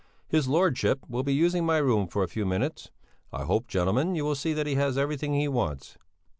His Lordship will be using my room for a few minutes. I hope, gentlemen, you will see that he has everything he wants."